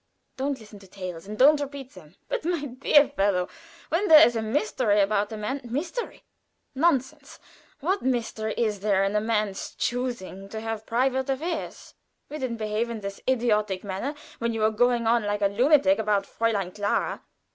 Don't listen to tales, and don't repeat them." "But, my dear fellow, when there is a mystery about a man " "Mystery! Nonsense! What mystery is there in a man's choosing to have private affairs? We didn't behave in this idiotic manner when you were going on like a lunatic about Fräulein Clara.